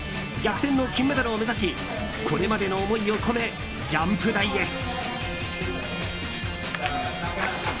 逆転の金メダルを目指しこれまでの思いを込めジャンプ台へ。